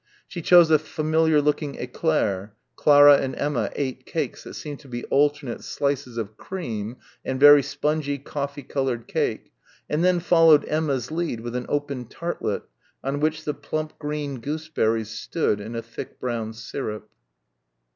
She chose a familiar looking éclair Clara and Emma ate cakes that seemed to be alternate slices of cream and very spongy coffee coloured cake and then followed Emma's lead with an open tartlet on which plump green gooseberries stood in a thick brown syrup.